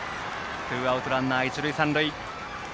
ツーアウトランナー、一塁三塁。